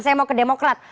saya mau ke demokrat